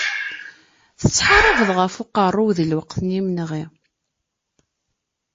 Tettḥarabeḍ ɣef uqerru-w di lweqt n yimenɣi.